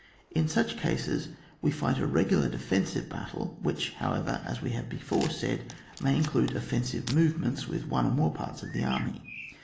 In such case, we fight a regular defensive battle, which however, as we have before said, may include offensive movements with one or more parts of the army.